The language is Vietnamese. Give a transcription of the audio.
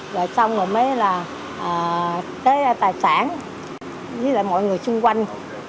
rồi xong rồi mới là tới tài sản với lại mọi người xung quanh